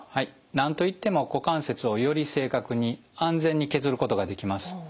何と言っても股関節をより正確に安全に削ることができます。